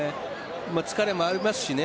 疲れもありますしね。